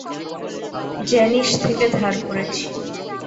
Janis থেকে ধার করেছি।